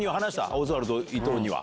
オズワルド・伊藤には。